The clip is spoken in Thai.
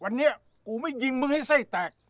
วันเนี้ยอุ้ยกูไม่ยิงมึงให้ใส่แตก